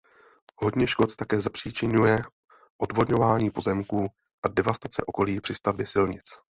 Hodně škod také zapříčiňuje odvodňování pozemků a devastace okolí při stavbě silnic.